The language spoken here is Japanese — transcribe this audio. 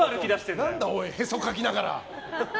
何だよ、へそかきながら。